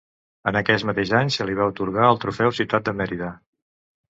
En aquest mateix any, se li va atorgar el Trofeu Ciutat de Mèrida.